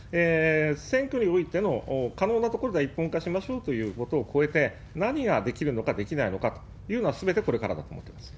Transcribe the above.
選挙においての可能なところでは一本化しましょうということを超えて、何ができるのかできないのかというのは、すべてこれからだと思ってます。